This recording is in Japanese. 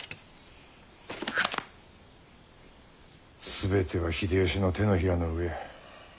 全ては秀吉の手のひらの上。